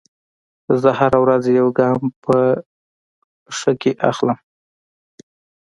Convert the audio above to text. زه هره ورځ یو ګام په ښه کې اخلم.